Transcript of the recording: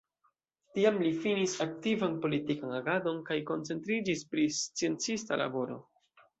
Tiam li finis aktivan politikan agadon kaj koncentriĝis pri sciencista laboro.